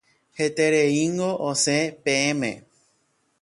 Hetereíngo osẽ peẽme.